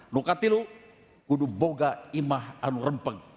nukah tilu kudu boga imah anurempeng